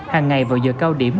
hàng ngày vào giờ cao điểm